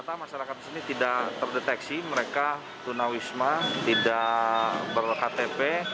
rata rata masyarakat di sini tidak terdeteksi mereka tunawisma tidak berlokal tp